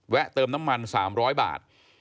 เติมน้ำมัน๓๐๐บาท